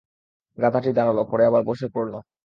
গাধাটি দাঁড়াল, পরে আবার বসে পড়ল।